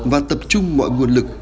và tập trung mọi nguồn lực